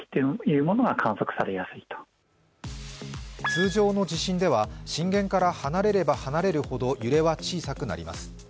通常の地震では震源から離れれば離れるほど揺れは小さくなります。